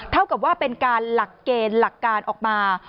เท่ากับว่าเป็นการหลักเกณฑ์หลักการออกมา